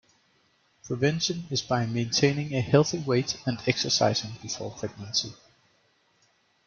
Prevention is by maintaining a healthy weight and exercising before pregnancy.